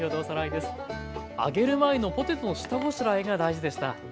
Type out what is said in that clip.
揚げる前のポテトの下ごしらえが大事でした。